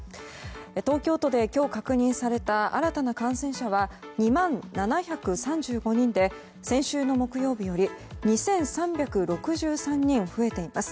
東京都で今日確認された新たな感染者は２万７３５人で先週の木曜日より２３６３人増えています。